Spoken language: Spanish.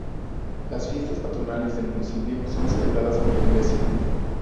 Las fiestas patronales del municipio son celebradas por la iglesia.